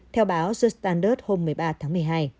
theo báo the standard hôm một mươi ba tháng một mươi hai